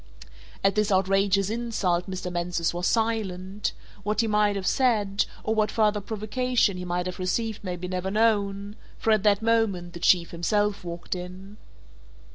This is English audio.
At this outrageous insult Mr. Mansus was silent; what he might have said, or what further provocation he might have received may be never known, for at that moment, the Chief himself walked in.